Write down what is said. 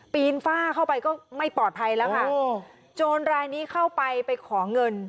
ปีนฝ้าเข้าไปก็ไม่ปลอดภัยแล้วค่ะโอ้โจรรายนี้เข้าไปไปขอเงิน